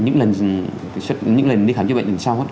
những lần đi khám chữa bệnh lần sau